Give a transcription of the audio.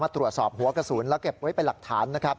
ตรวจสอบหัวกระสุนและเก็บไว้เป็นหลักฐานนะครับ